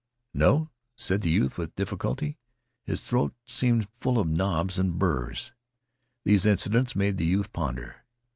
"No," said the youth with difficulty. His throat seemed full of knobs and burs. These incidents made the youth ponder.